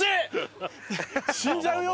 死んじゃうよ。